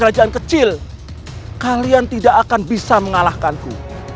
aku tidak akan menangkapmu